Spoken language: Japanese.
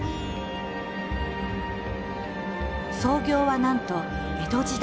創業はなんと江戸時代。